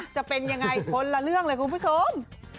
จะเป็นยังไงคนละเรื่องเลยคุณผู้ชม